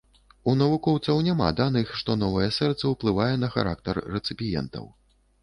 У навукоўцаў няма даных, што новае сэрца ўплывае на характар рэцыпіентаў.